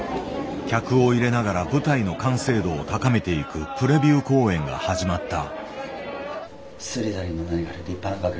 客を入れながら舞台の完成度を高めていくプレビュー公演が始まった。